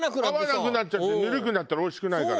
泡なくなっちゃってぬるくなったらおいしくないから。